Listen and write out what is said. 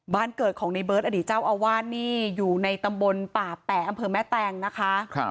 บ้านเกิดของในเบิร์ตอดีตเจ้าอาวาสนี่อยู่ในตำบลป่าแปะอำเภอแม่แตงนะคะ